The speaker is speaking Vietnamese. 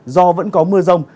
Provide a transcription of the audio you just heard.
do vẫn có mưa rông